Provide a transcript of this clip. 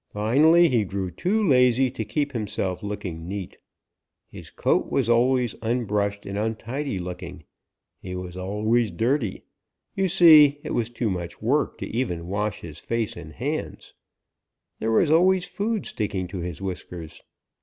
"Finally he grew too lazy to keep himself looking neat. His coat was always unbrushed and untidy looking. He was always dirty. You see, it was too much work to even wash his face and hands. There was always food sticking to his whiskers.